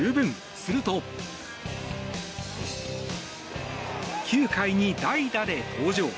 すると、９回に代打で登場。